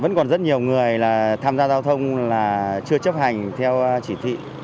vẫn còn rất nhiều người tham gia giao thông là chưa chấp hành theo chỉ thị